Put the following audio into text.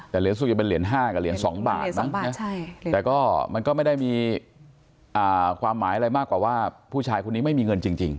แต่เหรียญส่วนใหญ่เป็นเหรียญ๕กับเหรียญ๒บาทมั้งแต่ก็มันก็ไม่ได้มีความหมายอะไรมากกว่าว่าผู้ชายคนนี้ไม่มีเงินจริง